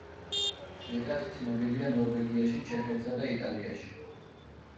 მეტად ცნობილია ნორვეგიაში, ჩეხეთსა და იტალიაში.